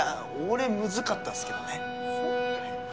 俺ムズかったっすけどねそう？